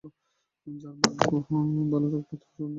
যার ভাগ্য ভালো থাকত, তার নাম নেওয়া পিঠাটা ভেতরে সিদ্ধ হতো।